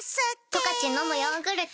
「十勝のむヨーグルト」